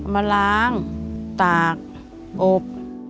มาล้างตากอบ